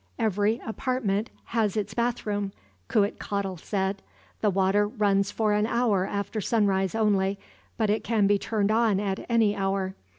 "Every apartment has its bathroom," Cuitcatl said. "The water runs for an hour after sunrise only, but it can be turned on at any hour.